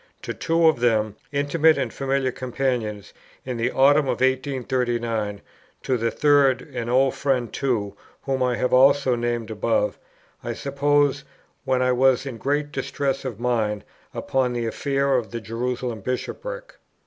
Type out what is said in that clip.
To two of them, intimate and familiar companions, in the Autumn of 1839: to the third, an old friend too, whom I have also named above, I suppose, when I was in great distress of mind upon the affair of the Jerusalem Bishopric.